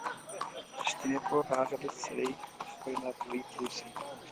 رښتینې پوهه هغه ده چې سړی په خپله ناپوهۍ پوه شي.